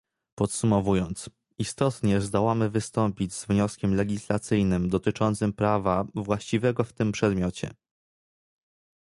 Podsumowując, istotnie zdołamy wystąpić z wnioskiem legislacyjnym dotyczącym prawa właściwego w tym przedmiocie